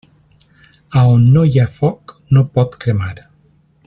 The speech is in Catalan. A on no hi ha foc, no pot cremar.